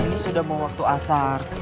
ini sudah mau waktu asar